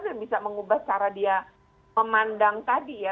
dan bisa mengubah cara dia memandang tadi ya